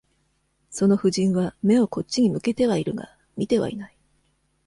その夫人は、眼をこっちに向けてはいるが、見てはいない。